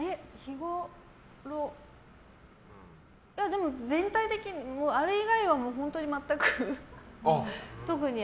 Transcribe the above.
でも、全体的にあれ以外は本当に全く特に。